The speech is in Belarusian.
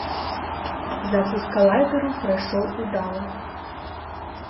Запуск калайдэру прайшоў удала.